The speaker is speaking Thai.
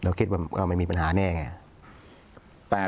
คิดว่าไม่มีปัญหาแน่ไง